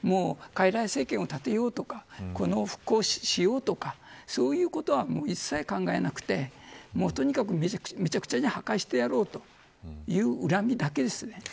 傀儡政権を立てようとか復興しようとかそういうことは一切考えなくてとにかくめちゃくちゃに破壊してやろうという恨みだけです。